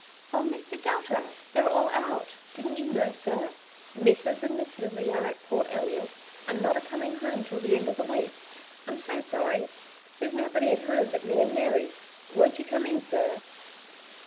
" Oh, Mr. Delta, theyVe all out — didn't you know, sir ? Missus and Miss Lily are at Port Elliot, and not a coming home till the end of the week. I'm so sorry. There's nobody at home but me and Mary ; but won't you come in, sir